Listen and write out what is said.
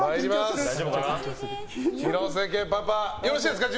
廣瀬家パパ準備よろしいですか？